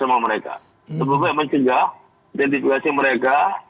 lebih baik mencegah identifikasi mereka